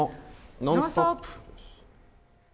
「ノンストップ！」。